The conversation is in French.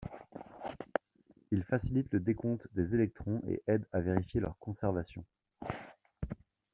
Il facilite le décompte des électrons et aide à vérifier leur conservation.